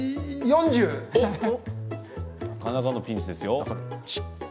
なかなかのピンチですよ。